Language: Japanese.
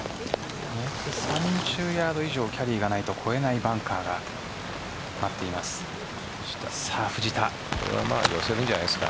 ３０ヤード以上キャリーがないと越えないバンカーが待っています。